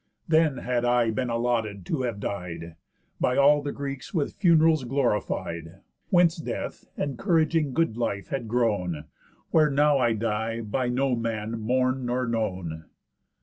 Then had I been allotted to have died, By all the Greeks with fun'rals glorified, (Whence death, encouraging good life, had grown) Where now I die, by no man mourn'd nor known."